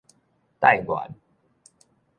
帶原